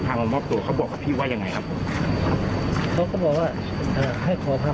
ยุคเกี่ยวกับยาเสพติดไหมครับ